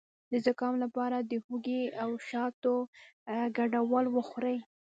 د زکام لپاره د هوږې او شاتو ګډول وخورئ